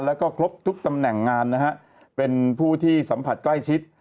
แล้วก็ครบทุกตำแหน่งงานนะฮะเป็นผู้ที่สัมผัสใกล้ชิด